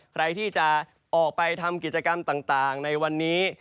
ใครที่จะออกไปทำกิจกรรมต่างในวันนี้